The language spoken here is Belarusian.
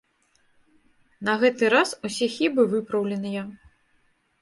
На гэты раз усе хібы выпраўленыя.